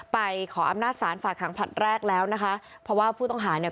ไปขออำนาจศาลฝากหางผลัดแรกแล้วนะคะเพราะว่าผู้ต้องหาเนี่ย